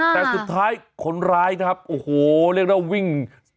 แต่สุดท้ายคนร้ายครับโอ้โหเรียกได้ว่าวิ่ง